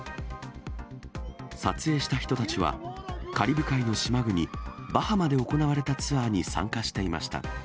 撮影した人たちは、カリブ海の島国、バハマで行われたツアーに参加していました。